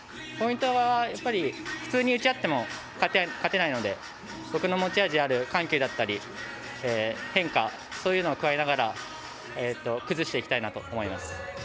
ポイントは普通に打ち合っても勝てないので、僕の持ち味である緩急だったり変化、そういうのを加えながら崩していきたいなと思います。